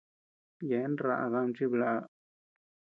Yeabean raʼa dami chiblaʼa.